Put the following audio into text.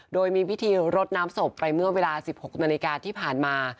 โดยมีพิธีรดน้ำศพไปเมื่อเวลา๑๖นาฬิกาที่ผ่านมา